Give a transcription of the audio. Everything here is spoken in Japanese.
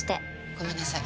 ごめんなさい。